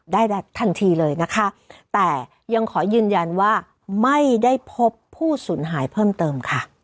ทันทีเลยนะคะแต่ยังขอยืนยันว่าไม่ได้พบผู้สูญหายเพิ่มเติมค่ะ